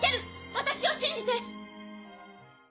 私を信じて。